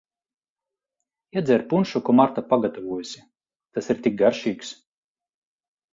Iedzer punšu, ko Marta pagatavojusi, tas ir tik garšīgs.